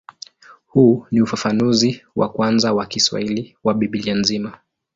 Huu ni ufafanuzi wa kwanza wa Kiswahili wa Biblia nzima.